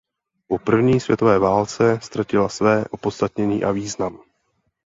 Po první světové válce ztratila své opodstatnění a význam.